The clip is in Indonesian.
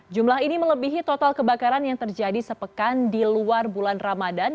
jumlah ini melebihi total kebakaran yang terjadi sepekan di luar bulan ramadan